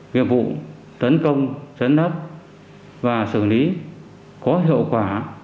nghiệp vụ tấn công chấn áp và xử lý có hiệu quả